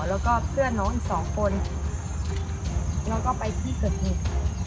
แล้วก็เพื่อนน้องอีกสองคนแล้วก็ไปที่เกิดเหตุ